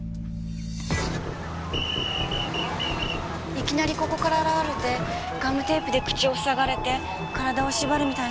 いきなりここから現れてガムテープで口をふさがれて体を縛るみたいにされて。